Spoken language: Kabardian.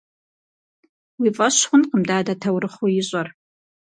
Уи фӀэщ хъункъым дадэ таурыхъыу ищӀэр.